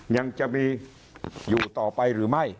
ยังจะมีอยู่ต่อไปหรือไม่